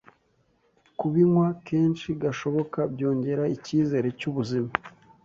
kubinkwa kenshi gashoboka byongera icyizere cy’ubuzima